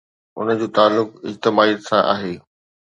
ان جو تعلق اجتماعيت سان آهي.